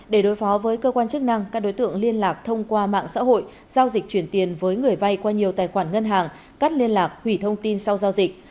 để đối phó với cơ quan chức năng các đối tượng liên lạc thông qua mạng xã hội giao dịch chuyển tiền với người vay qua nhiều tài khoản ngân hàng cắt liên lạc hủy thông tin sau giao dịch